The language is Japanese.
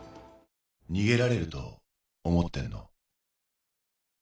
逃げられると思ってんの？